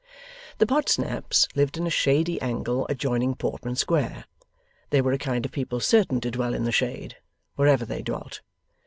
The Podsnaps lived in a shady angle adjoining Portman Square. They were a kind of people certain to dwell in the shade, wherever they dwelt.